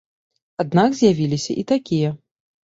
Аднак з'явіліся і такія.